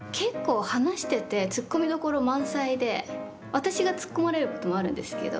私が突っ込まれることもあるんですけど。